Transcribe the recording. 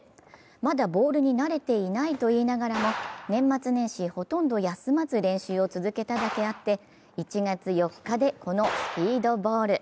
まだボールに慣れていないと言いながらも年末年始ほとんど休まず練習を続けただけあって、１月４日で、このスピードボール。